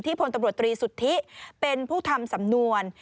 พลตำรวจตรีสุทธิเป็นผู้ทำสำนวน